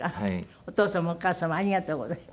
お父様お母様ありがとうございます。